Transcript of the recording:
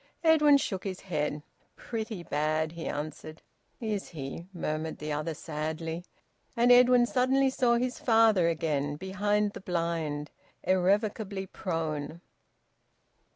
Edwin shook his head. "Pretty bad," he answered. "Is he?" murmured the other sadly. And Edwin suddenly saw his father again behind the blind, irrevocably prone.